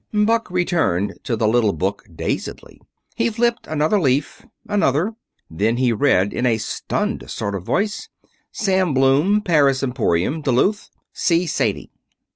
Buck returned to the little book dazedly. He flipped another leaf another. Then he read in a stunned sort of voice: "Sam Bloom, Paris Emporium, Duluth. See Sadie."